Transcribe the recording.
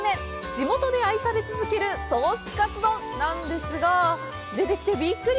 地元で愛され続けるソースカツ丼、なんですが出てきてびっくり！